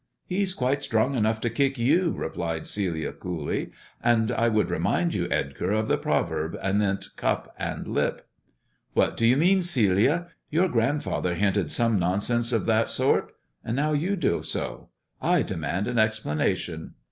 He's quite strong enough to kick you," replied Celia coolly; and I would remind you, Edgar, of the proverb anent cup and lip." What do you mean, Celia ] Your grandfather hinted some nonsense of that sort, now you do so. I demand an explanation."